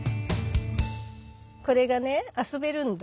これがね遊べるんだ。